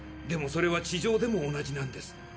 でもそれは地上でも同じなんです。